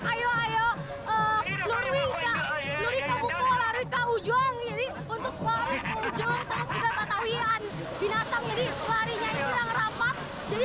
ayo ayo ke ujung ujung terus juga patah hujan binatang jadi larinya yang rapat jadi